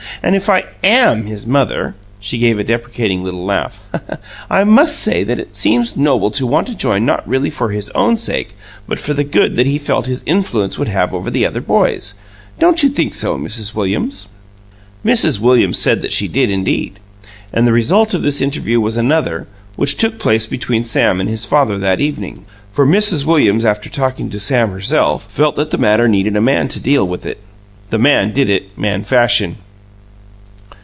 And if I AM his mother" she gave a deprecating little laugh "I must say that it seems noble to want to join not really for his own sake but for the good that he felt his influence would have over the other boys. Don't you think so, Mrs. Williams?" Mrs. Williams said that she did, indeed. And the result of this interview was another, which took place between Sam and his father that evening, for Mrs. Williams, after talking to Sam herself, felt that the matter needed a man to deal with it. The man did it man fashion.